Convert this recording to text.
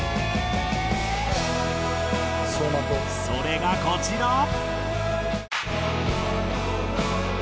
それがこちら。